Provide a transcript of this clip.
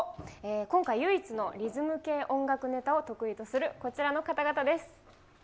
今回唯一のリズム系音楽ネタを得意とするこちらの方々です。